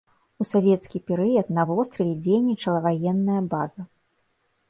У савецкі перыяд на востраве дзейнічала ваенная база.